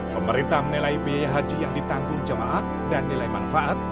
pemerintah menilai biaya haji yang ditanggung jemaah dan nilai manfaat